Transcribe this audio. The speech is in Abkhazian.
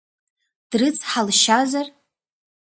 Дрыцҳалшьазар?